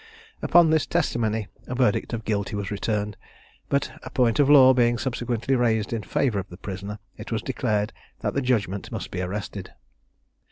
Upon this testimony a verdict of guilty was returned; but a point of law being subsequently raised in favour of the prisoner, it was declared that the judgment must be arrested.